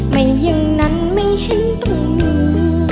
ไม่อย่างนั้นไม่เห็นตรงมือ